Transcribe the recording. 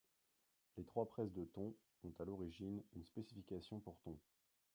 Les trois presses de tons ont à l'origine une spécification pour tons.